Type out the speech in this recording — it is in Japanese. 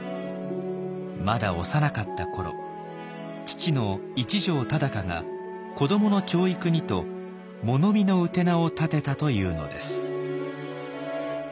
まだ幼かった頃父の一条忠香が子どもの教育にと物見の臺を立てたというのです。